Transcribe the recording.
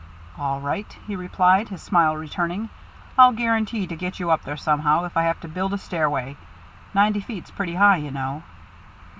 "All right," he replied, his smile returning. "I'll guarantee to get you up there somehow, if I have to build a stairway. Ninety feet's pretty high, you know."